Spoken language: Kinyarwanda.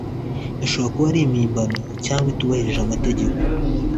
Ishobora kuba ari impimbano cyangwa itubahirije amategeko